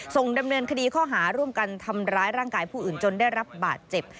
ส่งดำเนินคดีข้อหาร่วมกันทำร้ายร่างกายผู้อื่นจนได้รับบาดเจ็บ